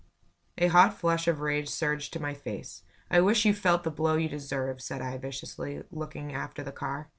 A hot flush of rage surged to my face. "I wish you felt the blow you deserve," said I, viciously, looking after the car.